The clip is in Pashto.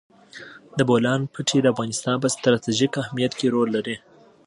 د بولان پټي د افغانستان په ستراتیژیک اهمیت کې رول لري.